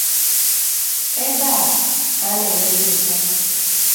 ebe a ka na-eme nnyocha